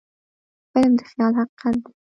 فلم د خیال حقیقت دی